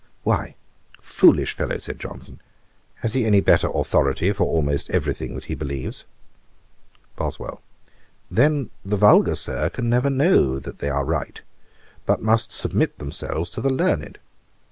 'Why, foolish fellow, (said Johnson,) has he any better authority for almost every thing that he believes?' BOSWELL. 'Then the vulgar, Sir, never can know they are right, but must submit themselves to the learned.'